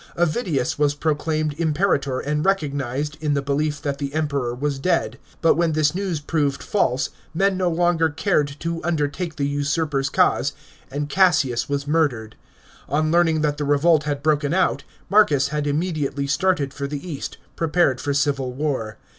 Avidius was proclaimed Imperator and recognised, in the belief that the Emperor was dead ; but when this news proved false, men no longer cared to undertake the usurper's cause, and Cassius was murdered. On learning that the revolt had broken out, Marcus had immediately started for the east, prepared for civil war.